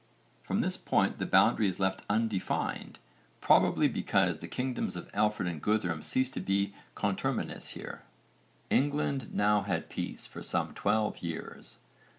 From this point the boundary is left undefined, probably because the kingdoms of Alfred and Guthrum ceased to be conterminous here. England now had peace for some twelve years.